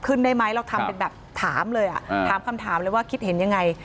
ขึ้นได้ไหมเราทำเป็นแบบถามเลยอ่ะถามคำถามเลยว่าคิดเห็นยังไง